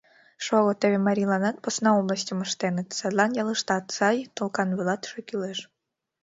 Шого, теве марийланат посна областьым ыштеныт, садлан ялыштат сай, толкан вуйлатыше кӱлеш.